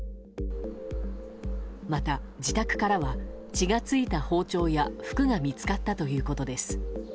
また、自宅からは血が付いた包丁や服が見つかったということです。